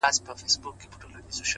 ځوان يوه غټه ساه ورکش کړه؛